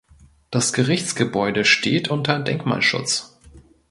Das Gerichtsgebäude steht unter Denkmalschutz.